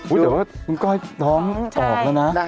อุ๊ยเดี๋ยวเล่นก็อดท้องออกแล้วนะ